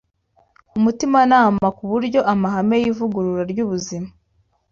umutimanama, ku buryo amahame y’ivugurura ry’ubuzima